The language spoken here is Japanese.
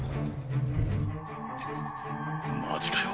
マジかよ。